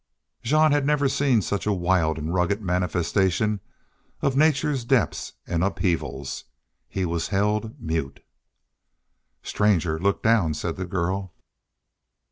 Jean had never seen such a wild and rugged manifestation of nature's depths and upheavals. He was held mute. "Stranger, look down," said the girl.